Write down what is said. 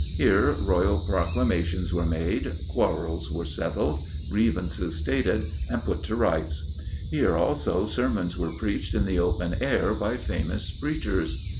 Here royal proclamations were made, quarrels were settled, grievances stated, and put to rights. Here, also, sermons were preached in the open air by famous preachers.